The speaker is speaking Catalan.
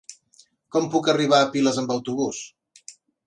Com puc arribar a Piles amb autobús?